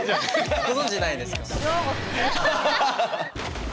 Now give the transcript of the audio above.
ご存じないですか？